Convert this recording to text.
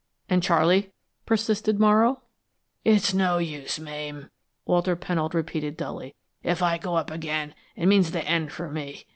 "And Charley?" persisted Morrow. "It's no use, Mame," Walter Pennold repeated, dully. "If I go up again, it means the end for me.